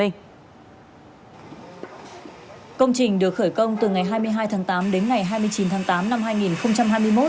công trình được khởi công từ ngày hai mươi hai tháng tám đến ngày hai mươi chín tháng tám năm hai nghìn hai mươi một